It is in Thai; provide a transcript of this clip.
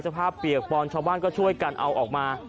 เปียกปอนชาวบ้านก็ช่วยกันเอาออกมา